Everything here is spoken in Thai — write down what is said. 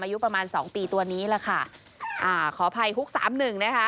อายุประมาณสองปีตัวนี้แหละค่ะอ่าขออภัยฮุกสามหนึ่งนะคะ